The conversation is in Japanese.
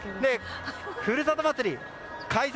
「ふるさと祭り」開催